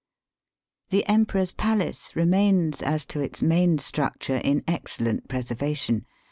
The Emperor's palace remains as to its main structure in excellent preservation.